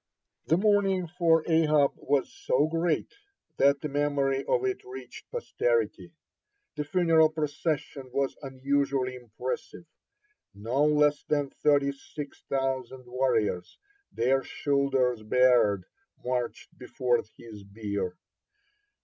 (43) The mourning for Ahab was so great that the memory of it reached posterity. (44) The funeral procession was unusually impressive; no less than thirty six thousand warriors, their shoulders bared, marched before his bier.